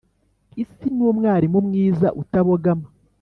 isi ni umwarimu mwiza utabogama